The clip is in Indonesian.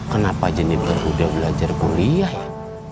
kenapa jennifer udah belajar kuliah ya